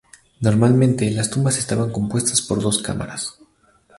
Normalmente las tumbas estaban compuestas por dos cámaras.